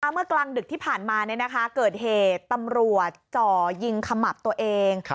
เมื่อกลางดึกที่ผ่านมาเกิดเหตุตำรวจจ่อยิงขมับตัวเอง